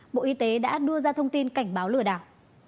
bộ y tế đã đưa ra thông tin cảnh báo lừa đảo